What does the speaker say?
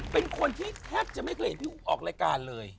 เป็นคนที่แทบจะไม่เคยเห็นพี่อุ๊บออกรายการเลย